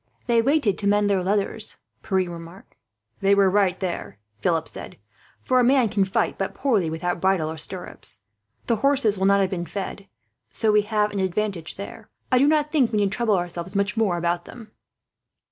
"They waited to mend their leathers," Pierre remarked. "They were right, there," Philip said; "for a man can fight but poorly, without bridle or stirrups. The horses will not have been fed, so we have an advantage there. I do not think we need trouble ourselves much more about them."